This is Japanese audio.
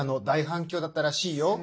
大反響だったらしいよ。